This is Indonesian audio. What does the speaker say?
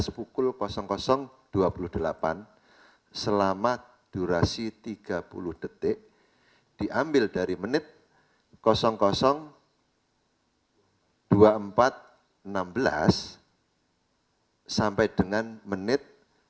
pukul dua puluh delapan selama durasi tiga puluh detik diambil dari menit dua puluh empat enam belas sampai dengan menit dua puluh empat empat puluh enam